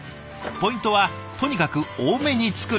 ポイントはとにかく多めに作ること。